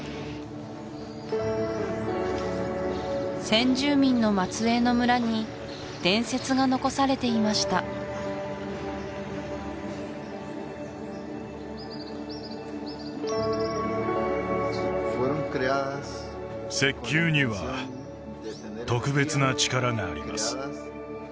先住民の末裔の村に伝説が残されていました石球には特別な力があります